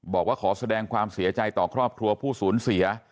บอกว่าขอแสดงความเสียใจต่อครอบครัวผู้สูญเสีย